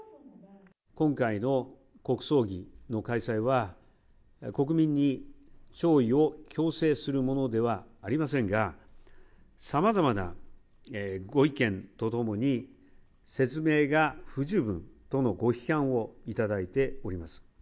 今回の国葬儀の開催は、国民に弔意を強制するものではありませんが、さまざまなご意見とともに、説明が不十分とのご批判をいただいております。